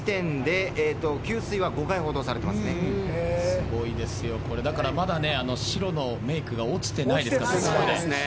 すごいですよこれ、だからまだ白のメークが落ちてないですからね。